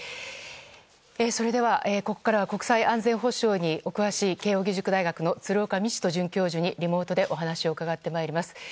それでは、ここからは国際安全保障にお詳しい慶応義塾大学の鶴岡路人准教授にリモートでお話を伺ってまいります。